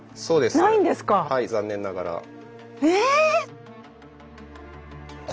そうですはい残念ながら。